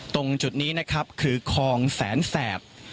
ตรงจุดนี้นะครับคือคลองแสนแสบ